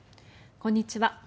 こんにちは。